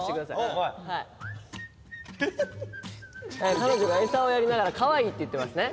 彼女がエサをやりながら「かわいい」って言ってますね。